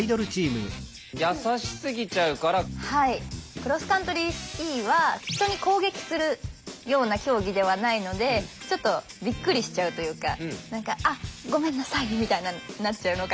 クロスカントリースキーは人に攻撃するような競技ではないのでちょっとびっくりしちゃうというか何か「あっごめんなさい」みたいななっちゃうのかなっていう。